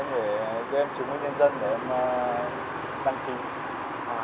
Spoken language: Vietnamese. anh để em chứng minh nhân dân để em đăng ký